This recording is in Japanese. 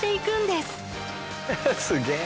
すげえ。